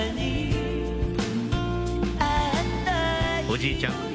おじいちゃん